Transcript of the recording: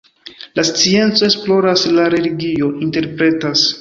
La scienco esploras, la religio interpretas.